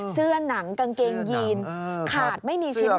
เสื้อหนังกางเกงยีนขาดไม่มีชิ้นดีเลย